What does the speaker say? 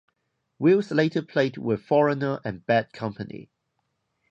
Wills later played with Foreigner and Bad Company.